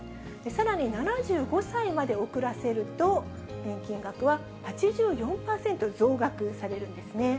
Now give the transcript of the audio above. さらに７５歳まで遅らせると、年金額は８４％増額されるんですね。